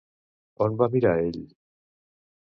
On va mirar ell?